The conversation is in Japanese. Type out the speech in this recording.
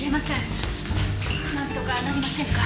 なんとかなりませんか？